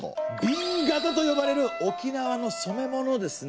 「紅型」と呼ばれる沖縄の染め物ですね。